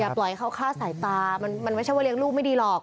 ปล่อยเขาฆ่าสายตามันไม่ใช่ว่าเลี้ยงลูกไม่ดีหรอก